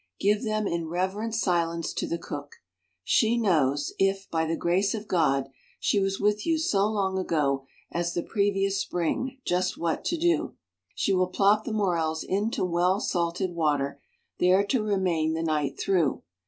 Give them in reverent silence to the cook. She knows — if, by the grace of God, she was with you so long ago as the previous spring— T just what to do. She will plop the Morels into well salted water, there to remain the night through.